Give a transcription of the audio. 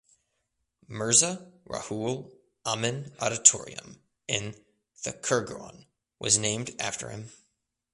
Mirza Ruhul Amin auditorium in Thakurgaon was named after him.